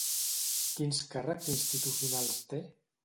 Quins càrrecs institucionals té?